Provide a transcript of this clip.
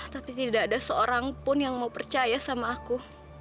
tapi tidak ada seorang pun yang mau percaya sama aku